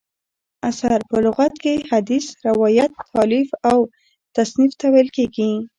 اثر: په لغت کښي حدیث، روایت، تالیف او تصنیف ته ویل کیږي.